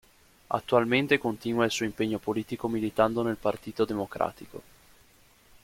Attualmente continua il suo impegno politico militando nel Partito Democratico.